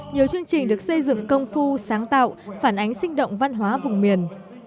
nhiều chương trình được xây dựng công phu sáng tạo phản ánh sinh động văn hóa vùng miền